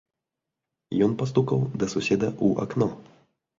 Ён пастукаў да суседа ў акно.